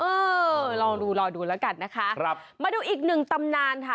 เออลองดูรอดูแล้วกันนะคะครับมาดูอีกหนึ่งตำนานค่ะ